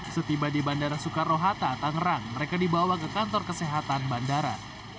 setiba di bandara soekarno hatta tangerang mereka dibawa ke kantor kesehatan bandara